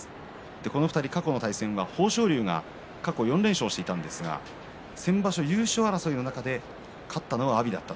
この２人、過去の対戦は豊昇龍が過去４連勝していたんですが先場所、優勝争いの中で勝ったのは阿炎でした。